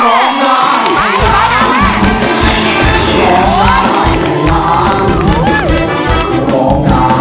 โอเคค่ะ